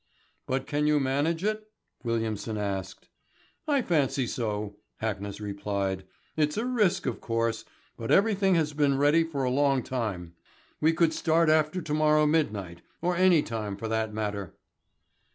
"But can you manage it?" Williamson asked. "I fancy so," Hackness replied. "It's a risk, of course, but everything has been ready for a long time. We could start after to morrow midnight, or any time for that matter."